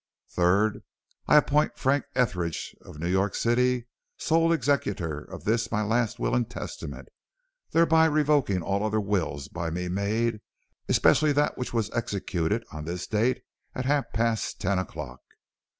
"Third: I appoint Frank Etheridge, of New York City, sole executor of this my last will and testament, thereby revoking all other wills by me made, especially that which was executed on this date at half past ten o'clock.